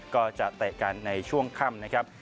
ก็จะเตะกันในช่วงค่ำครับ